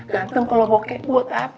ganteng kalau bokek buat apa